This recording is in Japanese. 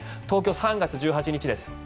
東京、３月１８日です。